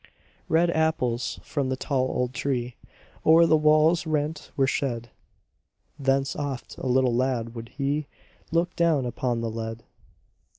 Red apples from the tall old tree O'er the wall's rent were shed. Thence oft, a little lad, would he Look down upon the lead.